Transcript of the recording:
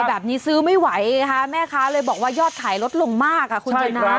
แบบนี้ซื้อไม่ไหวนะคะแม่ค้าเลยบอกว่ายอดขายลดลงมากอ่ะคุณชนะ